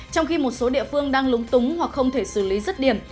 trong khi một số địa phương đang lúng túng hoặc không thể xử lý rứt điểm